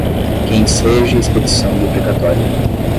que enseje expedição de precatório